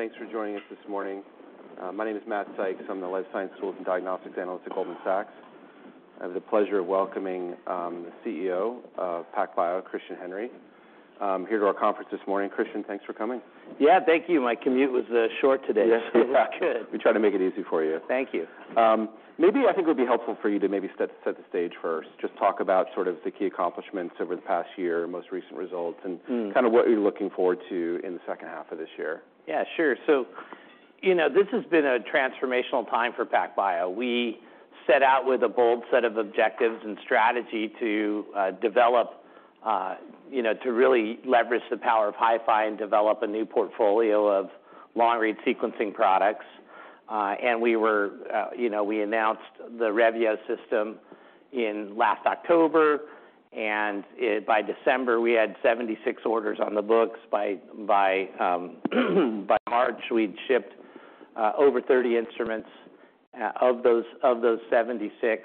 Thanks for joining us this morning. My name is Matthew Sykes. I'm the life science tools and diagnostics analyst at Goldman Sachs. I have the pleasure of welcoming the CEO of PacBio, Christian Henry, here to our conference this morning. Christian, thanks for coming. Yeah, thank you. My commute was short today. Yes. It was good. We try to make it easy for you. Thank you. Maybe I think it would be helpful for you to maybe set the stage first. Just talk about sort of the key accomplishments over the past year, most recent results. Mm. kind of what you're looking forward to in the second half of this year? Sure. You know, this has been a transformational time for PacBio. We set out with a bold set of objectives and strategy to develop, you know, to really leverage the power of HiFi and develop a new portfolio of long-read sequencing products. We were, you know, we announced the Revio system in last October. By December, we had 76 orders on the books. By March, we'd shipped over 30 instruments of those 76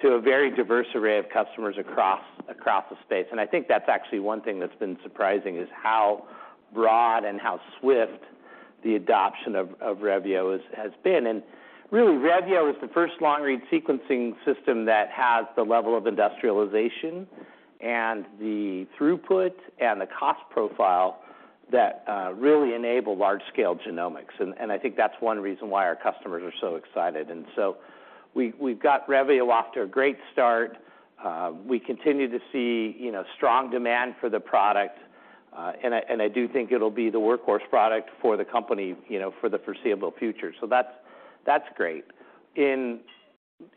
to a very diverse array of customers across the space. I think that's actually one thing that's been surprising, is how broad and how swift the adoption of Revio has been. Really, Revio is the first long-read sequencing system that has the level of industrialization, and the throughput, and the cost profile that really enable large-scale genomics. I think that's one reason why our customers are so excited. We've got Revio off to a great start. We continue to see, you know, strong demand for the product, and I, and I do think it'll be the workhorse product for the company, you know, for the foreseeable future. That's great. In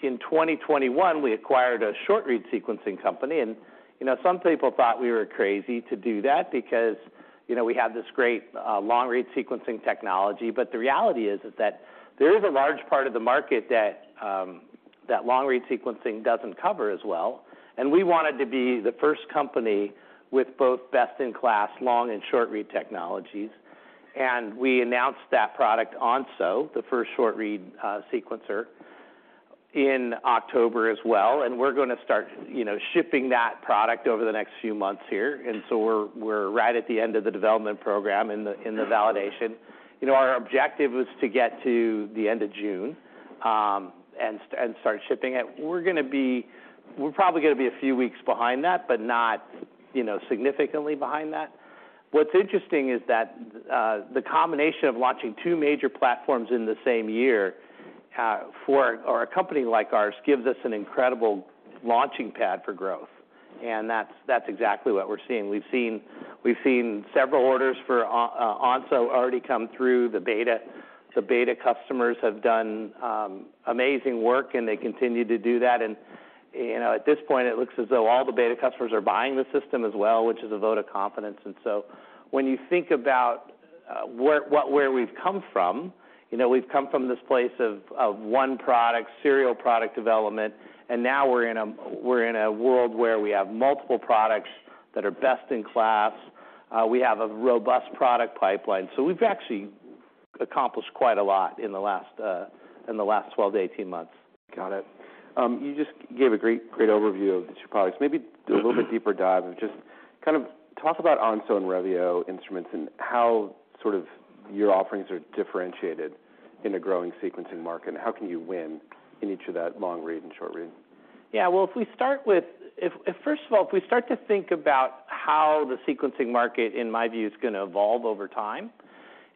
2021, we acquired a short-read sequencing company, and, you know, some people thought we were crazy to do that because, you know, we have this great long-read sequencing technology. The reality is that there is a large part of the market that long-read sequencing doesn't cover as well, and we wanted to be the first company with both best-in-class long and short-read technologies. We announced that product, Onso, the first short-read sequencer, in October as well, and we're gonna start, you know, shipping that product over the next few months here. So we're right at the end of the development program in the, in the validation. You know, our objective was to get to the end of June, and start shipping it. We're probably gonna be a few weeks behind that, but not, you know, significantly behind that. What's interesting is that the combination of launching two major platforms in the same year, for a company like ours, gives us an incredible launching pad for growth, and that's exactly what we're seeing. We've seen several orders for Onso already come through the beta. The beta customers have done amazing work, and they continue to do that, and, you know, at this point, it looks as though all the beta customers are buying the system as well, which is a vote of confidence. When you think about where, what, where we've come from, you know, we've come from this place of one product, serial product development, and now we're in a world where we have multiple products that are best-in-class. We have a robust product pipeline. We've actually accomplished quite a lot in the last 12 to 18 months. Got it. You just gave a great overview of these products. Do a little bit deeper dive and just kind of talk about Onso and Revio instruments, and how sort of your offerings are differentiated in a growing sequencing market, and how can you win in each of that long-read and short-read? Yeah, well, if we start with First of all, if we start to think about how the sequencing market, in my view, is gonna evolve over time,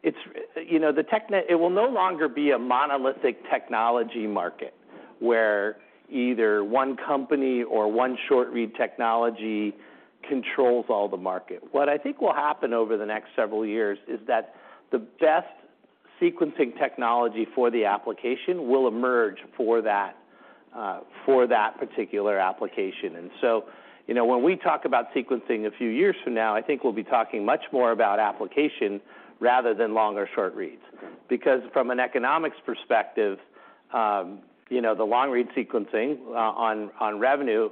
it's, you know. It will no longer be a monolithic technology market, where either one company or one short-read technology controls all the market. What I think will happen over the next several years is that the best sequencing technology for the application will emerge for that for that particular application. You know, when we talk about sequencing a few years from now, I think we'll be talking much more about application rather than long or short reads. Mm-hmm. From an economics perspective, you know, the long-read sequencing on revenue,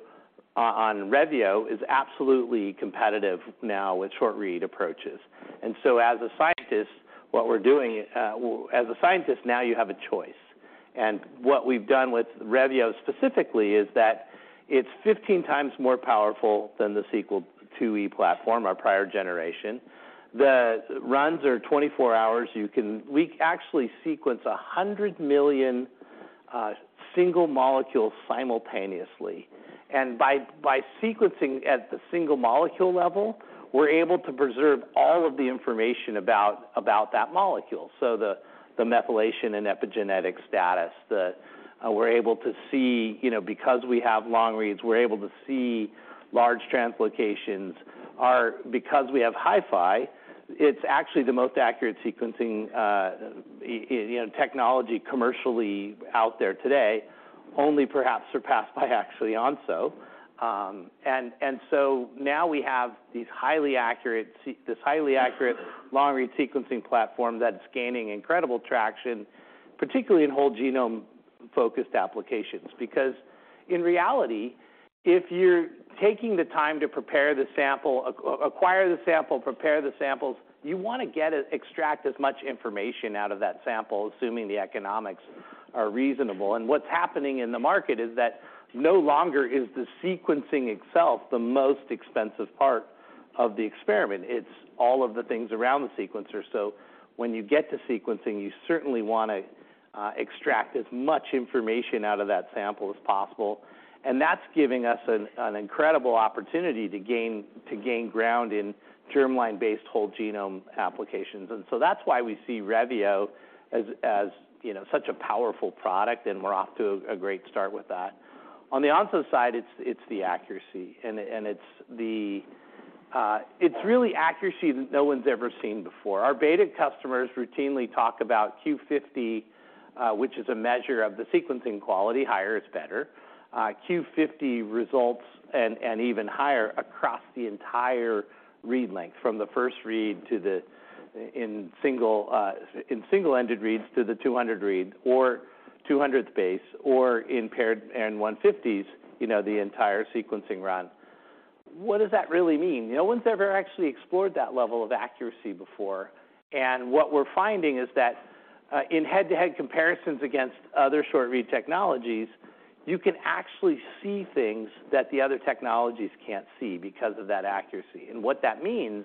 on Revio is absolutely competitive now with short-read approaches. As a scientist, what we're doing, as a scientist, now you have a choice. What we've done with Revio specifically is that it's 15 times more powerful than the Sequel IIe platform, our prior generation. The runs are 24 hours. We actually sequence 100 million single molecules simultaneously, and by sequencing at the single molecule level, we're able to preserve all of the information about that molecule, so the methylation and epigenetic status, that we're able to see. You know, because we have long reads, we're able to see large translocations. Because we have HiFi, it's actually the most accurate sequencing, you know, technology commercially out there today, only perhaps surpassed by actually Onso. Now we have this highly accurate long-read sequencing platform that's gaining incredible traction, particularly in whole genome-focused applications. In reality, if you're taking the time to prepare the sample, acquire the sample, prepare the samples, you wanna extract as much information out of that sample, assuming the economics are reasonable. What's happening in the market is that no longer is the sequencing itself the most expensive part of the experiment, it's all of the things around the sequencer. When you get to sequencing, you certainly want to extract as much information out of that sample as possible, and that's giving us an incredible opportunity to gain ground in germline-based whole genome applications. That's why we see Revio as, you know, such a powerful product, and we're off to a great start with that. On the Onso side, it's the accuracy, and it's the. It's really accuracy that no one's ever seen before. Our beta customers routinely talk about Q50, which is a measure of the sequencing quality. Higher is better. Q50 results and even higher across the entire read length, from the first read to the in single-ended reads to the 200 read or 200 base, or in paired-end 150s, you know, the entire sequencing run. What does that really mean? No one's ever actually explored that level of accuracy before. What we're finding is that in head-to-head comparisons against other short-read technologies, you can actually see things that the other technologies can't see because of that accuracy. What that means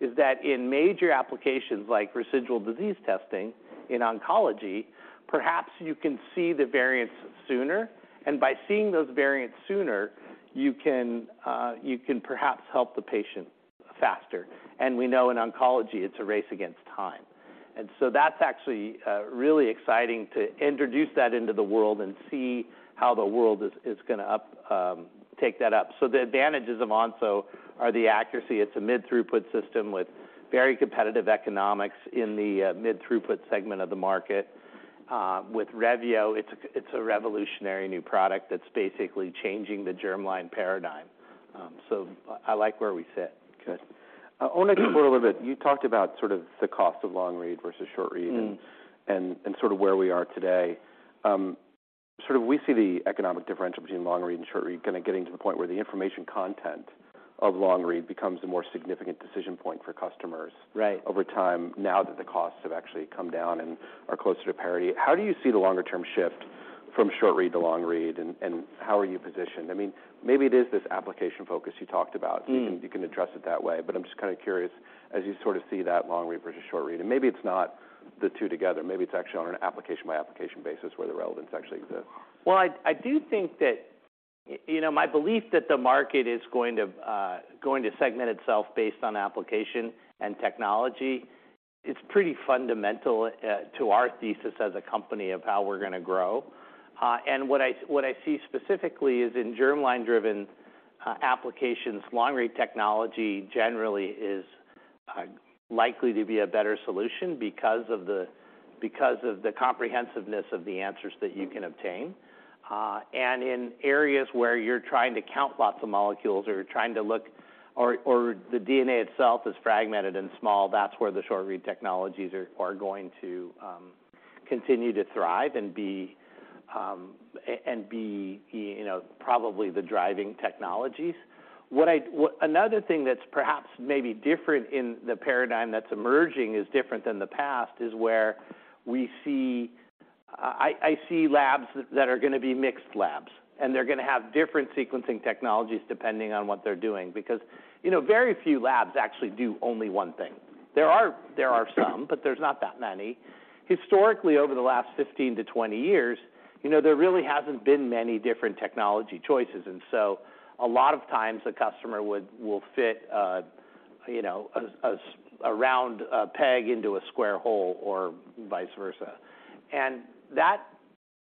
is that in major applications, like residual disease testing in oncology, perhaps you can see the variants sooner, and by seeing those variants sooner, you can perhaps help the patient faster. We know in oncology, it's a race against time. That's actually really exciting to introduce that into the world and see how the world is gonna take that up. The advantages of Onso are the accuracy. It's a mid-throughput system with very competitive economics in the mid-throughput segment of the market. With Revio, it's a revolutionary new product that's basically changing the germline paradigm. I like where we sit. Good. I want to explore a little bit. You talked about sort of the cost of long-read versus short-read. Mm. Sort of where we are today. Sort of we see the economic differential between long-read and short-read kind of getting to the point where the information content of long-read becomes a more significant decision point for customers. Right. over time, now that the costs have actually come down and are closer to parity. How do you see the longer-term shift from short-read to long-read, and how are you positioned? I mean, maybe it is this application focus you talked about. Mm. You can address it that way, but I'm just kind of curious as you sort of see that long read versus short read, and maybe it's not the two together. Maybe it's actually on an application-by-application basis where the relevance actually exists. Well, I, you know, my belief that the market is going to segment itself based on application and technology, it's pretty fundamental to our thesis as a company of how we're gonna grow. What I see specifically is in germline-driven applications, long-read technology generally is likely to be a better solution because of the comprehensiveness of the answers that you can obtain. In areas where you're trying to count lots of molecules or the DNA itself is fragmented and small, that's where the short-read technologies are going to continue to thrive and be, you know, probably the driving technologies. Another thing that's perhaps maybe different in the paradigm that's emerging, is different than the past, is where we see, I see labs that are gonna be mixed labs, and they're gonna have different sequencing technologies, depending on what they're doing. Because, you know, very few labs actually do only one thing. There are some, but there's not that many. Historically, over the last 15 to 20 years, you know, there really hasn't been many different technology choices, and so a lot of times a customer will fit, you know, a round peg into a square hole or vice versa. That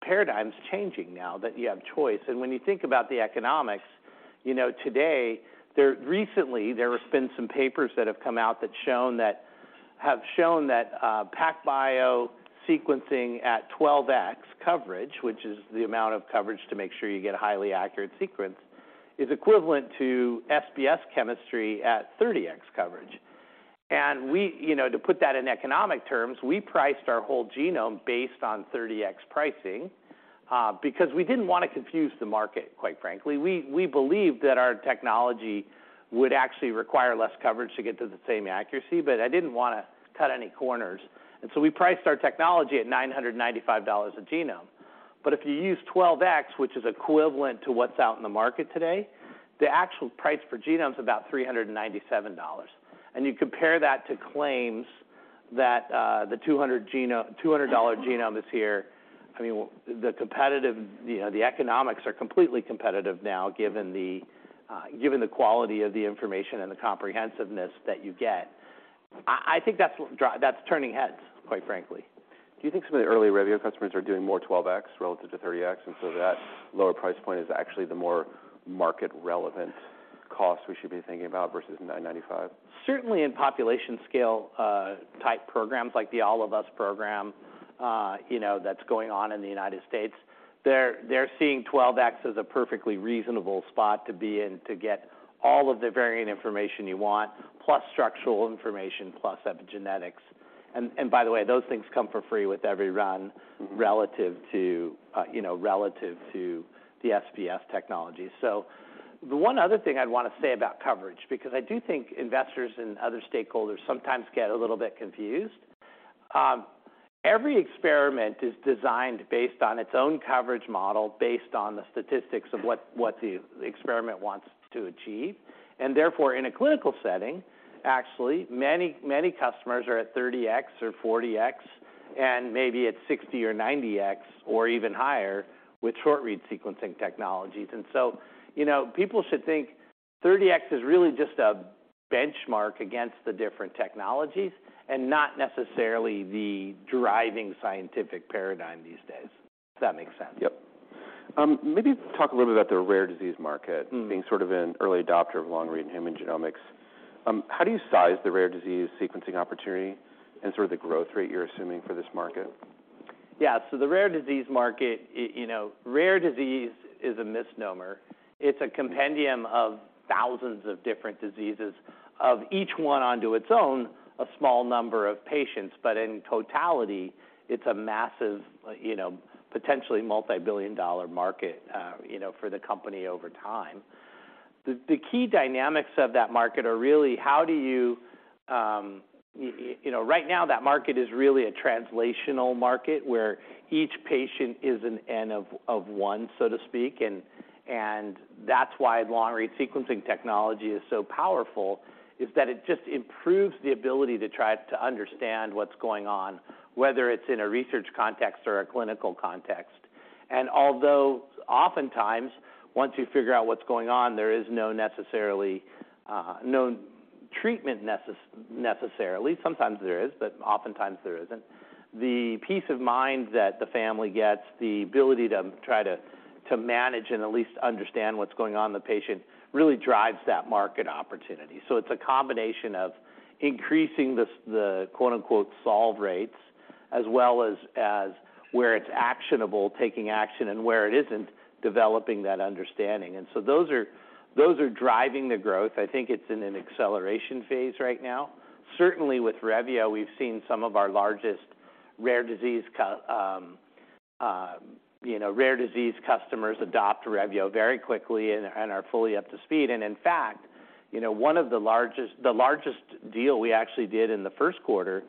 paradigm is changing now that you have choice. When you think about the economics, you know, recently, there have been some papers that have come out that have shown that PacBio sequencing at 12x coverage, which is the amount of coverage to make sure you get a highly accurate sequence, is equivalent to SBS chemistry at 30x coverage. You know, to put that in economic terms, we priced our whole genome based on 30x pricing, because we didn't want to confuse the market, quite frankly. We believe that our technology would actually require less coverage to get to the same accuracy, but I didn't want to cut any corners, so we priced our technology at $995 a genome. If you use 12x, which is equivalent to what's out in the market today, the actual price per genome is about $397. You compare that to claims that the $200 genome, $200 genome is here. I mean, the competitive, you know, the economics are completely competitive now, given the quality of the information and the comprehensiveness that you get. I think that's turning heads, quite frankly. Do you think some of the early Revio customers are doing more 12x relative to 30x, and so that lower price point is actually the more market-relevant cost we should be thinking about versus $995? Certainly in population scale, type programs, like the All of Us program, you know, that's going on in the United States, they're seeing 12x as a perfectly reasonable spot to be in to get all of the variant information you want, plus structural information, plus epigenetics. By the way, those things come for free with every run. Mm-hmm. relative to, you know, relative to the SBS technology. The one other thing I'd want to say about coverage, because I do think investors and other stakeholders sometimes get a little bit confused. Every experiment is designed based on its own coverage model, based on the statistics of what the experiment wants to achieve. Therefore, in a clinical setting, actually, many customers are at 30X or 40X, and maybe at 60 or 90X, or even higher with short-read sequencing technologies. You know, people should think 30X is really just a benchmark against the different technologies and not necessarily the driving scientific paradigm these days, if that makes sense. Yep. Maybe talk a little bit about the rare disease market. Mm. being sort of an early adopter of long-read human genomics. How do you size the rare disease sequencing opportunity and sort of the growth rate you're assuming for this market? The rare disease market, you know, rare disease is a misnomer. It's a compendium of thousands of different diseases, of each one onto its own, a small number of patients, but in totality, it's a massive, you know, potentially multi-billion dollar market, you know, for the company over time. The key dynamics of that market are really how do you know, right now, that market is really a translational market, where each patient is an N of one, so to speak. That's why long-read sequencing technology is so powerful, is that it just improves the ability to try to understand what's going on, whether it's in a research context or a clinical context. Although oftentimes, once you figure out what's going on, there is no necessarily no treatment necessarily. Sometimes there is, but oftentimes there isn't. The peace of mind that the family gets, the ability to try to manage and at least understand what's going on in the patient, really drives that market opportunity. It's a combination of increasing the quote-unquote, "solve rates," as well as where it's actionable, taking action, and where it isn't, developing that understanding. Those are driving the growth. I think it's in an acceleration phase right now. Certainly, with Revio, we've seen some of our largest rare disease, you know, rare disease customers adopt Revio very quickly and are fully up to speed. In fact, you know, the largest deal we actually did in the first quarter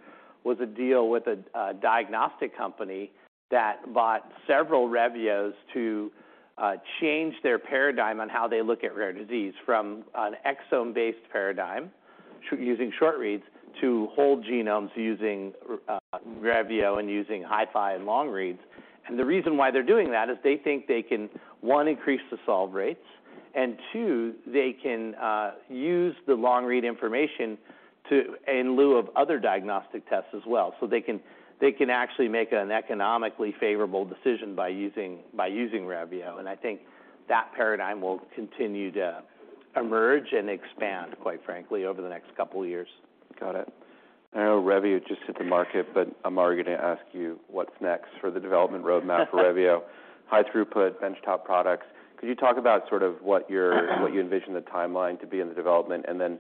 was a deal with a diagnostic company that bought several Revios to change their paradigm on how they look at rare disease, from an exome-based paradigm, using short reads, to whole genomes using Revio and using HiFi and long reads. The reason why they're doing that is they think they can, one, increase the solve rates, and two, they can use the long-read information in lieu of other diagnostic tests as well. They can actually make an economically favorable decision by using Revio, and I think that paradigm will continue to emerge and expand, quite frankly, over the next couple of years. Got it. I know Revio just hit the market, but I'm already going to ask you, what's next for the development roadmap for Revio? High throughput, benchtop products. Could you talk about sort of what your-? Uh-huh. What you envision the timeline to be in the development, and then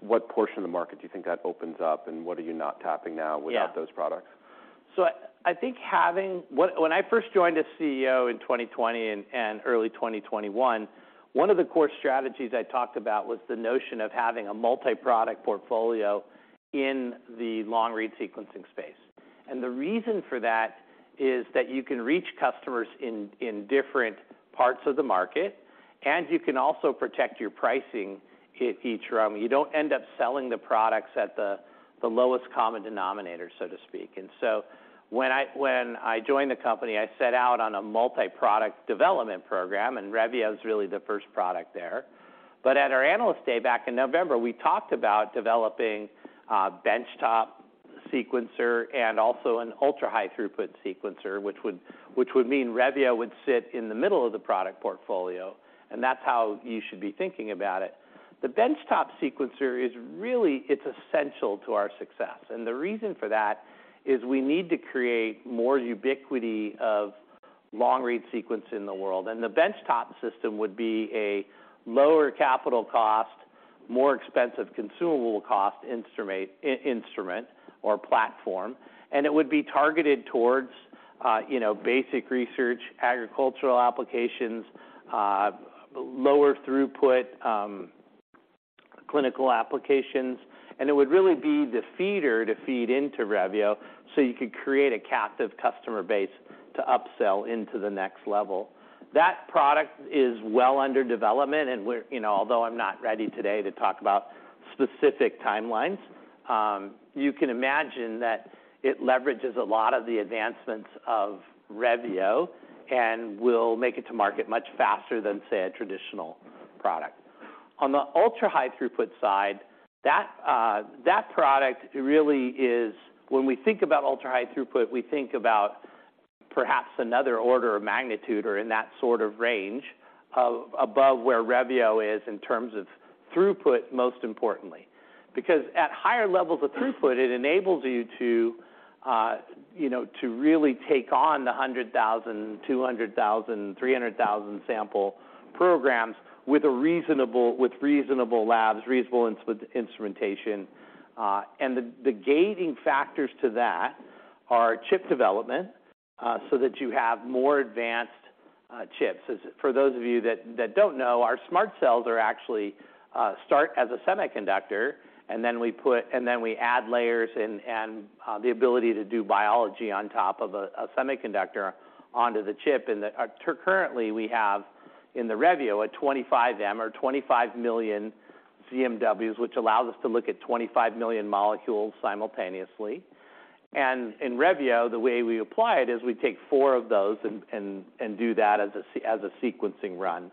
what portion of the market do you think that opens up, and what are you not tapping now? Yeah without those products? I think when I first joined as CEO in 2020 and early 2021, one of the core strategies I talked about was the notion of having a multi-product portfolio in the long-read sequencing space. The reason for that is that you can reach customers in different parts of the market, and you can also protect your pricing each. You don't end up selling the products at the lowest common denominator, so to speak. When I joined the company, I set out on a multi-product development program, and Revio is really the first product there. At our Analyst Day back in November, we talked about developing a benchtop sequencer and also an ultra-high throughput sequencer, which would mean Revio would sit in the middle of the product portfolio, and that's how you should be thinking about it. The benchtop sequencer it's essential to our success, and the reason for that is we need to create more ubiquity of long-read sequence in the world. The benchtop system would be a lower capital cost, more expensive consumable cost instrument or platform, and it would be targeted towards, you know, basic research, agricultural applications, lower throughput, clinical applications, and it would really be the feeder to feed into Revio, so you could create a captive customer base to upsell into the next level. That product is well under development, you know, although I'm not ready today to talk about specific timelines, you can imagine that it leverages a lot of the advancements of Revio and will make it to market much faster than, say, a traditional product. On the ultra-high throughput side, that product really is when we think about ultra-high throughput, we think about perhaps another order of magnitude or in that sort of range, of above where Revio is in terms of throughput, most importantly. Because at higher levels of throughput, it enables you to, you know, to really take on the 100,000, 200,000, 300,000 sample programs with reasonable labs, reasonable instrumentation. The gating factors to that are chip development, so that you have more advanced chips. For those of you that don't know, our SMRT Cells are actually start as a semiconductor, and then we add layers and the ability to do biology on top of a semiconductor onto the chip. Currently, we have in the Revio, a 25 million or 25 million ZMWs, which allows us to look at 25 million molecules simultaneously. In Revio, the way we apply it is we take four of those and do that as a sequencing run.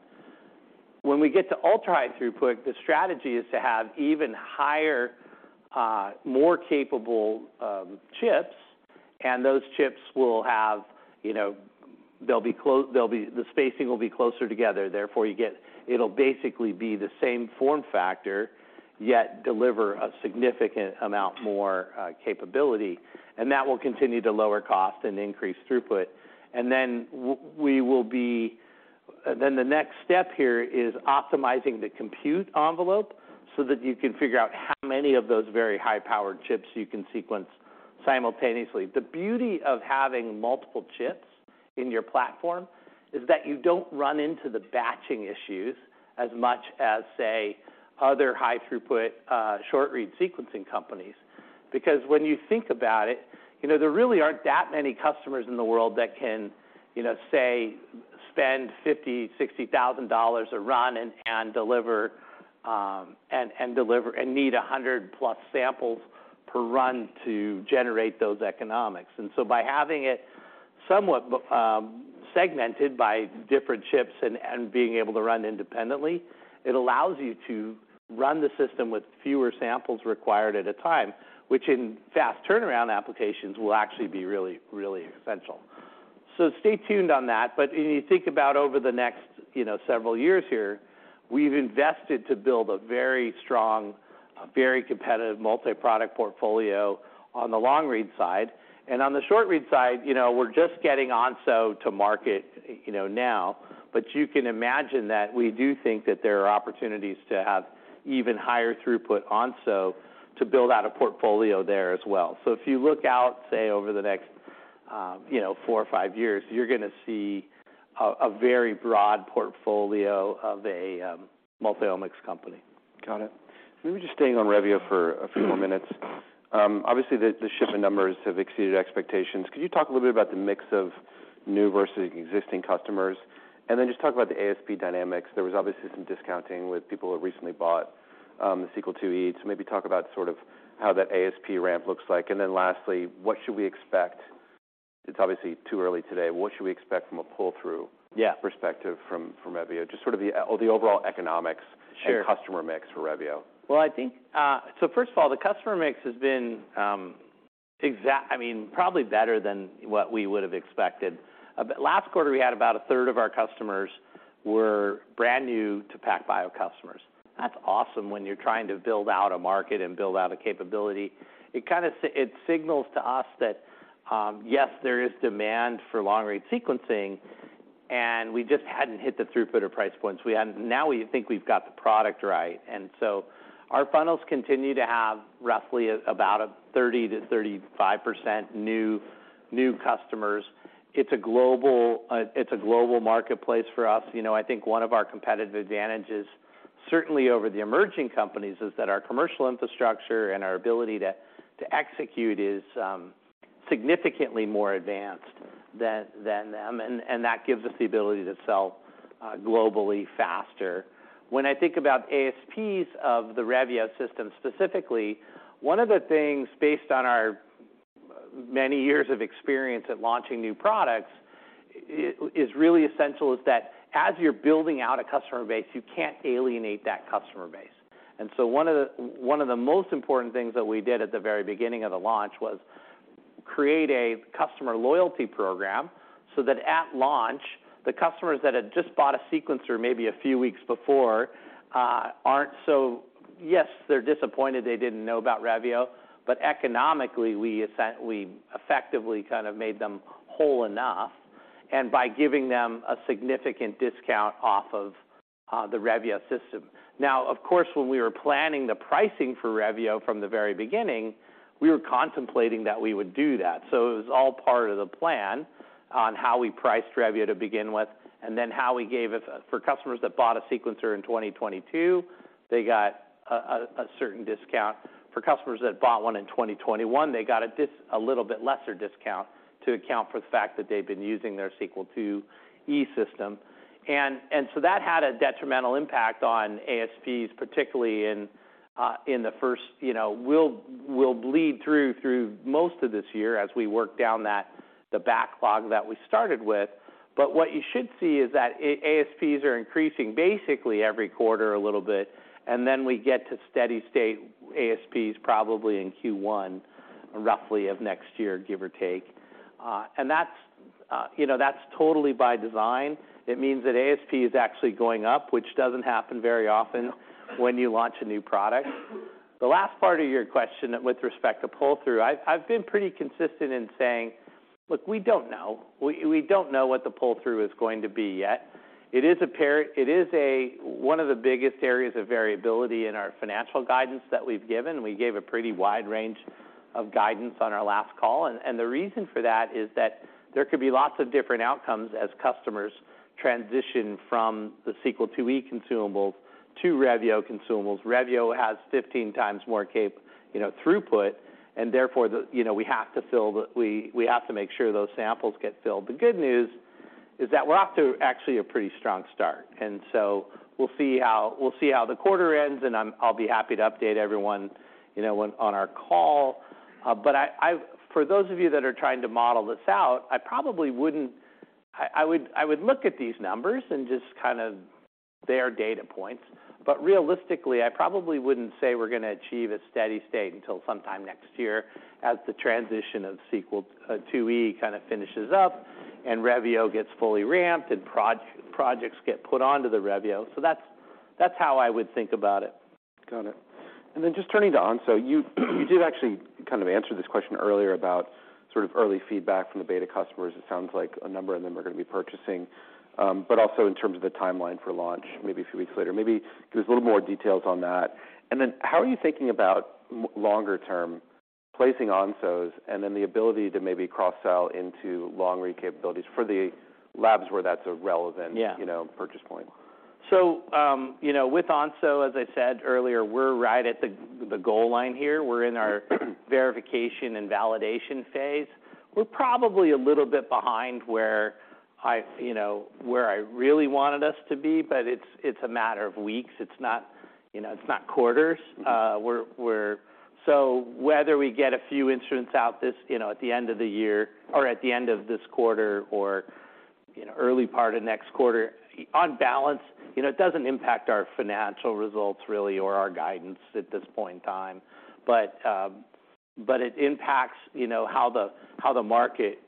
When we get to ultra-high throughput, the strategy is to have even higher, more capable chips, and those chips will have, you know, they'll be close, they'll be... the spacing will be closer together, therefore, you get it'll basically be the same form factor, yet deliver a significant amount more capability, and that will continue to lower cost and increase throughput. Then we will be then the next step here is optimizing the compute envelope so that you can figure out how many of those very high-powered chips you can sequence simultaneously. The beauty of having multiple chips in your platform is that you don't run into the batching issues as much as, say, other high throughput short-read sequencing companies. When you think about it, you know, there really aren't that many customers in the world that can, you know, say, spend $50,000-$60,000 a run and deliver and need 100+ samples per run to generate those economics. By having it somewhat segmented by different chips and being able to run independently, it allows you to run the system with fewer samples required at a time, which in fast turnaround applications, will actually be really, really essential. Stay tuned on that. When you think about over the next, you know, several years here, we've invested to build a very strong, a very competitive multi-product portfolio on the long read side. On the short read side, you know, we're just getting Onso to market, you know, now, but you can imagine that we do think that there are opportunities to have even higher throughput Onso to build out a portfolio there as well. If you look out, say, over the next, you know, four or five years, you're going to see a very broad portfolio of a multi-omics company. Got it. Maybe just staying on Revio for a few more minutes. Obviously, the shipment numbers have exceeded expectations. Could you talk a little bit about the mix of new versus existing customers? Just talk about the ASP dynamics. There was obviously some discounting with people who recently bought the Sequel IIe. Maybe talk about sort of how that ASP ramp looks like. Lastly, what should we expect? It's obviously too early today. What should we expect from a pull-through? Yeah perspective from Revio? Just sort of the overall economics. Sure customer mix for Revio. Well, I think, first of all, the customer mix has been, I mean, probably better than what we would have expected. But last quarter, we had about 1/3 of our customers were brand new to PacBio customers. That's awesome when you're trying to build out a market and build out a capability. It kind of signals to us that, yes, there is demand for long-read sequencing, and we just hadn't hit the throughput or price points. Now we think we've got the product right. Our funnels continue to have roughly about a 30%-35% new customers. It's a global, it's a global marketplace for us. You know, I think one of our competitive advantages, certainly over the emerging companies, is that our commercial infrastructure and our ability to execute is significantly more advanced than them, and that gives us the ability to sell globally faster. When I think about ASPs of the Revio system, specifically, one of the things based on our many years of experience at launching new products, is really essential, is that as you're building out a customer base, you can't alienate that customer base. One of the most important things that we did at the very beginning of the launch was create a customer loyalty program, so that at launch, the customers that had just bought a sequencer maybe a few weeks before, yes, they're disappointed, they didn't know about Revio, but economically, we effectively kind of made them whole enough, and by giving them a significant discount off of the Revio system. Of course, when we were planning the pricing for Revio from the very beginning, we were contemplating that we would do that. It was all part of the plan on how we priced Revio to begin with, how we gave it, for customers that bought a sequencer in 2022, they got a certain discount. For customers that bought one in 2021, they got a little bit lesser discount to account for the fact that they've been using their Sequel IIe system. That had a detrimental impact on ASPs, particularly. You know, we'll bleed through most of this year as we work down the backlog that we started with. What you should see is that ASPs are increasing basically every quarter a little bit, and then we get to steady state ASPs probably in Q1, roughly of next year, give or take. That's, you know, totally by design. It means that ASP is actually going up, which doesn't happen very often when you launch a new product. The last part of your question with respect to pull-through, I've been pretty consistent in saying: Look, we don't know. We don't know what the pull-through is going to be yet. It is a, one of the biggest areas of variability in our financial guidance that we've given, and we gave a pretty wide range of guidance on our last call, and the reason for that is that there could be lots of different outcomes as customers transition from the Sequel IIe consumables to Revio consumables. Revio has 15 times more cape, you know, throughput, and therefore, we have to make sure those samples get filled. The good news is that we're off to actually a pretty strong start. We'll see how, we'll see how the quarter ends, and I'll be happy to update everyone, you know, when on our call. I, for those of you that are trying to model this out, I probably wouldn't. I would, I would look at these numbers and just kind of, they are data points. Realistically, I probably wouldn't say we're gonna achieve a steady state until sometime next year as the transition of Sequel IIe kind of finishes up and Revio gets fully ramped, and projects get put onto the Revio. That's, that's how I would think about it. Got it. Just turning to Onso, you did actually kind of answer this question earlier about sort of early feedback from the beta customers. It sounds like a number of them are gonna be purchasing, but also in terms of the timeline for launch, maybe a few weeks later, maybe give us a little more details on that. How are you thinking about longer term placing Onsos, and then the ability to maybe cross-sell into long-read capabilities for the labs where that's a relevant. Yeah you know, purchase point? You know, with Onso, as I said earlier, we're right at the goal line here. We're in our verification and validation phase. We're probably a little bit behind where I, you know, where I really wanted us to be, but it's a matter of weeks. It's not, you know, it's not quarters. Whether we get a few instruments out this, you know, at the end of the year or at the end of this quarter or, you know, early part of next quarter, on balance, you know, it doesn't impact our financial results really, or our guidance at this point in time. But it impacts, you know, how the market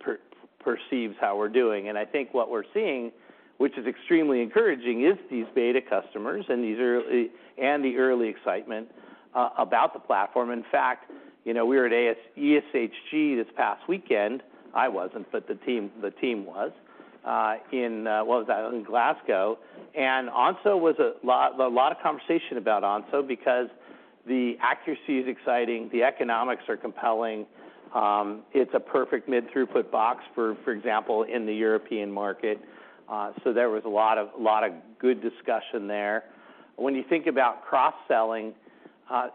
perceives how we're doing. I think what we're seeing, which is extremely encouraging, is these beta customers and the early excitement about the platform. In fact, you know, we were at ESHG this past weekend. I wasn't, but the team was in Glasgow. Onso was a lot of conversation about Onso because the accuracy is exciting, the economics are compelling, it's a perfect mid-throughput box, for example, in the European market. There was a lot of good discussion there. When you think about cross-selling,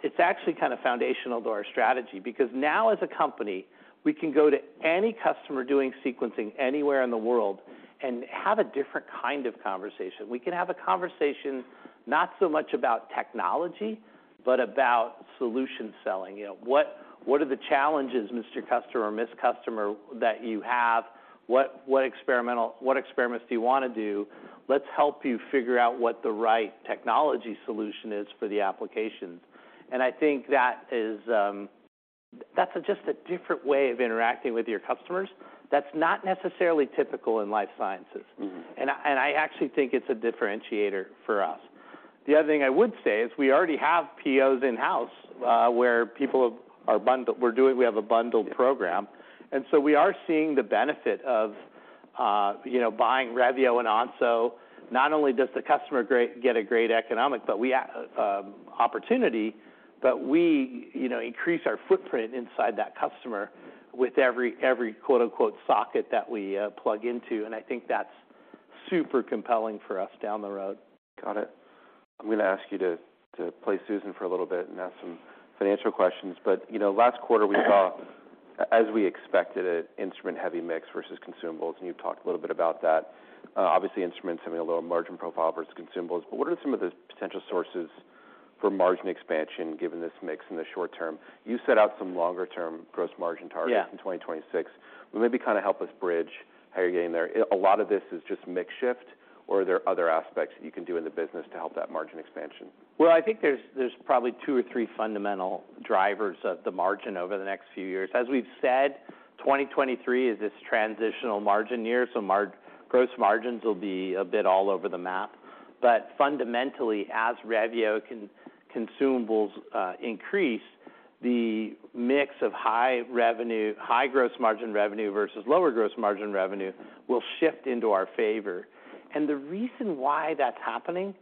it's actually kind of foundational to our strategy, because now as a company, we can go to any customer doing sequencing anywhere in the world and have a different kind of conversation. We can have a conversation, not so much about technology, but about solution selling. You know, what are the challenges, Mr. Customer or Miss Customer, that you have? What experiments do you want to do? Let's help you figure out what the right technology solution is for the applications. I think that's just a different way of interacting with your customers, that's not necessarily typical in life sciences. Mm-hmm. I actually think it's a differentiator for us. The other thing I would say is we already have POs in-house, where people are we have a bundled program. Yeah. We are seeing the benefit of, you know, buying Revio and Onso. Not only does the customer get a great economic, but we opportunity, but we, you know, increase our footprint inside that customer with every quote-unquote, "socket" that we plug into, I think that's super compelling for us down the road. Got it. I'm gonna ask you to play Susan for a little bit and ask some financial questions. You know, last quarter, we saw, as we expected, an instrument-heavy mix versus consumables, and you talked a little bit about that. Obviously, instruments have a little margin profile versus consumables. What are some of the potential sources for margin expansion, given this mix in the short term? You set out some longer-term gross margin targets. Yeah In 2026. Well, maybe kind of help us bridge how you're getting there. A lot of this is just mix shift, or are there other aspects that you can do in the business to help that margin expansion? I think there's probably two or three fundamental drivers of the margin over the next few years. We've said, 2023 is this transitional margin year, gross margins will be a bit all over the map. Fundamentally, as Revio consumables increase, the mix of high revenue, high gross margin revenue versus lower gross margin revenue will shift into our favor. The reason why that's happening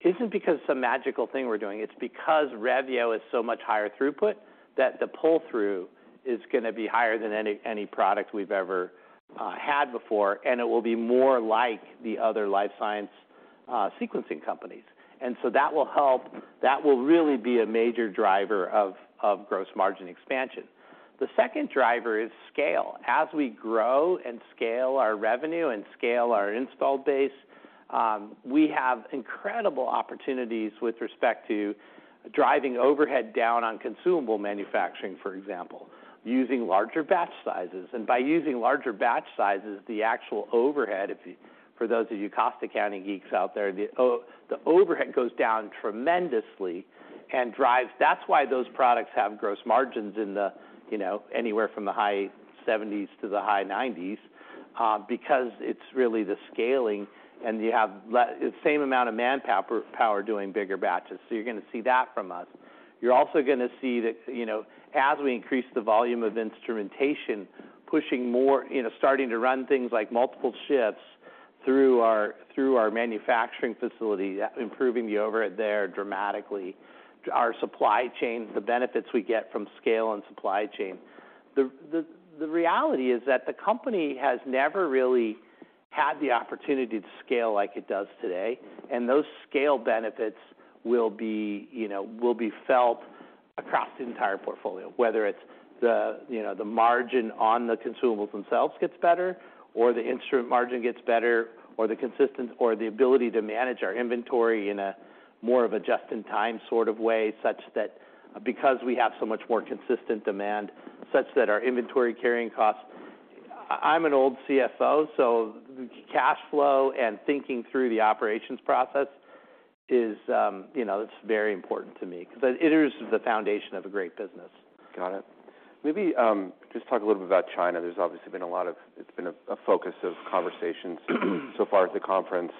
isn't because it's some magical thing we're doing, it's because Revio is so much higher throughput that the pull-through is gonna be higher than any product we've ever had before, and it will be more like the other life science sequencing companies. That will help. That will really be a major driver of gross margin expansion. The second driver is scale. As we grow and scale our revenue and scale our installed base, we have incredible opportunities with respect to driving overhead down on consumable manufacturing, for example, using larger batch sizes. By using larger batch sizes, the actual overhead, for those of you cost accounting geeks out there, the overhead goes down tremendously and drives. That's why those products have gross margins in the, you know, anywhere from the high 70%-high 90%, because it's really the scaling, and you have the same amount of manpower doing bigger batches. You're gonna see that from us. You're also gonna see that, you know, as we increase the volume of instrumentation, pushing more, you know, starting to run things like multiple shifts through our manufacturing facility, improving the over it there dramatically. Our supply chain, the benefits we get from scale and supply chain. The reality is that the company has never really had the opportunity to scale like it does today, and those scale benefits will be, you know, will be felt across the entire portfolio. Whether it's the, you know, the margin on the consumables themselves gets better, or the instrument margin gets better, or the ability to manage our inventory in a more of a just-in-time sort of way, such that because we have so much more consistent demand, such that our inventory carrying costs... I'm an old CFO, so cash flow and thinking through the operations process is, you know, it's very important to me because it is the foundation of a great business. Got it. Maybe, just talk a little bit about China. There's obviously been a focus of conversations so far at the conference.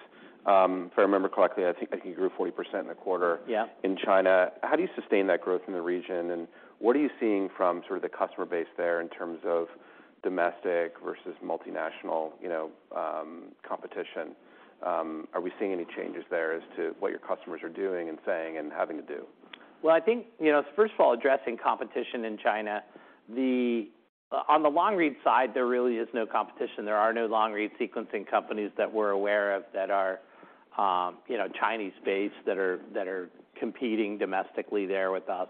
If I remember correctly, I think you grew 40% in the quarter. Yeah in China. How do you sustain that growth in the region, and what are you seeing from sort of the customer base there in terms of domestic versus multinational, you know, competition? Are we seeing any changes there as to what your customers are doing and saying and having to do? Well, I think, you know, first of all, addressing competition in China, on the long-read side, there really is no competition. There are no long-read sequencing companies that we're aware of that are, you know, Chinese-based, that are competing domestically there with us.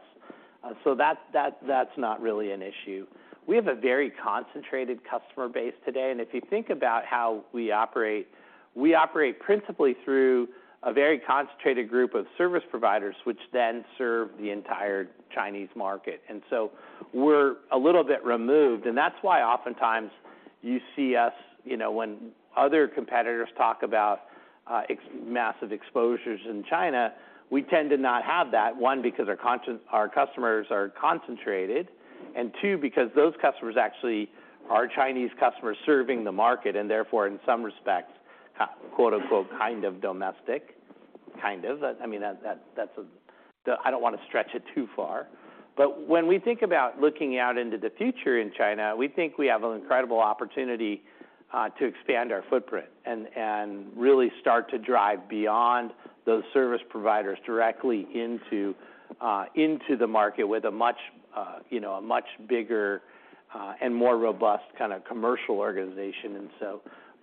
That's not really an issue. We have a very concentrated customer base today. If you think about how we operate, we operate principally through a very concentrated group of service providers, which then serve the entire Chinese market. We're a little bit removed. That's why oftentimes you see us, you know, when other competitors talk about massive exposures in China, we tend to not have that. One, because our customers are concentrated. Two, because those customers actually are Chinese customers serving the market, and therefore, in some respects, quote, unquote, "kind of domestic." Kind of. I mean, that's a. I don't want to stretch it too far. When we think about looking out into the future in China, we think we have an incredible opportunity to expand our footprint and really start to drive beyond those service providers directly into the market with a much, you know, a much bigger and more robust kind of commercial organization.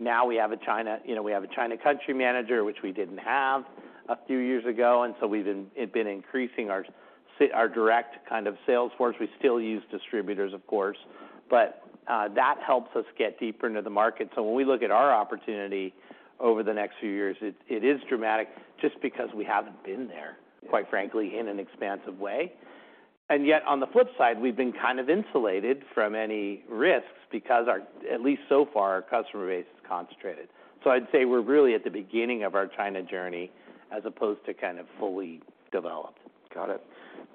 Now we have a China, you know, we have a China country manager, which we didn't have a few years ago, we've been increasing our direct kind of sales force. We still use distributors, of course, but that helps us get deeper into the market. When we look at our opportunity over the next few years, it is dramatic just because we haven't been there. Yeah... quite frankly, in an expansive way. On the flip side, we've been kind of insulated from any risks because our, at least so far, our customer base is concentrated. I'd say we're really at the beginning of our China journey, as opposed to kind of fully developed. Got it.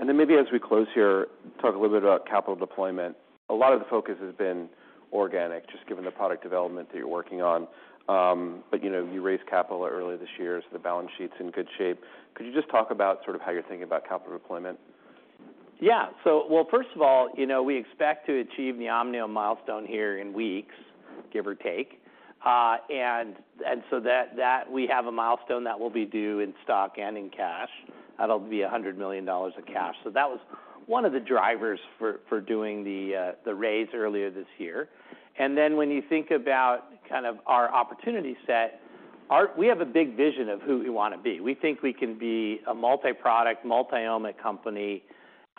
Maybe as we close here, talk a little bit about capital deployment. A lot of the focus has been organic, just given the product development that you're working on. You know, you raised capital earlier this year, the balance sheet's in good shape. Could you just talk about sort of how you're thinking about capital deployment? Well, first of all, you know, we expect to achieve the Omniome milestone here in weeks, give or take. So that we have a milestone that will be due in stock and in cash. That'll be $100 million in cash. That was one of the drivers for doing the raise earlier this year. When you think about kind of our opportunity set, we have a big vision of who we want to be. We think we can be a multi-product, multi-omic company,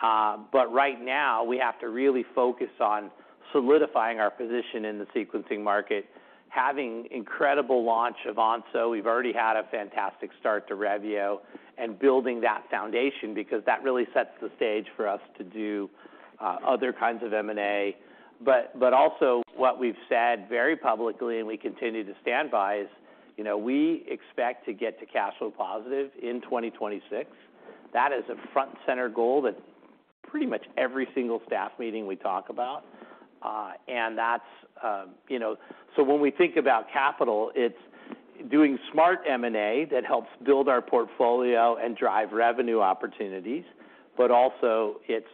but right now, we have to really focus on solidifying our position in the sequencing market, having incredible launch of Onso. We've already had a fantastic start to Revio and building that foundation, because that really sets the stage for us to do other kinds of M&A. Also what we've said very publicly and we continue to stand by is, you know, we expect to get to cash flow positive in 2026. That is a front and center goal that pretty much every single staff meeting we talk about, and that's... You know, when we think about capital, it's doing smart M&A that helps build our portfolio and drive revenue opportunities, but also it's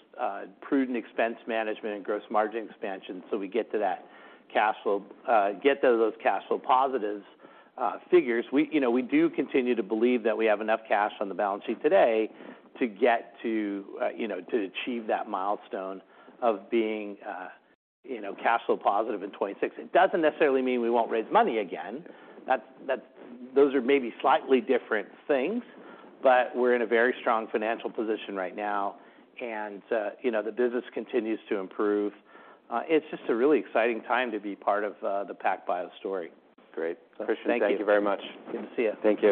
prudent expense management and gross margin expansion, so we get to that cash flow, get to those cash flow positives figures. We, you know, we do continue to believe that we have enough cash on the balance sheet today to get to, you know, to achieve that milestone of being, you know, cash flow positive in 26. It doesn't necessarily mean we won't raise money again. Those are maybe slightly different things, but we're in a very strong financial position right now, and, you know, the business continues to improve. It's just a really exciting time to be part of the PacBio story. Great. Christian- Thank you. Thank you very much. Good to see you. Thank you.